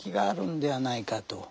あるんではないかと。